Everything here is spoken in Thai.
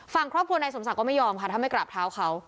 ฝั่งครอบครัวนายสมศักดิ์ก็ไม่ยอมค่ะถ้าไม่กราบเท้าเขา